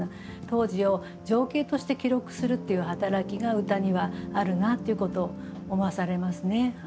当時を情景として記録するっていう働きが歌にはあるなっていうことを思わされますね。